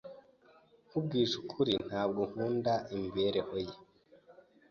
Nkubwije ukuri, ntabwo nkunda imibereho ye.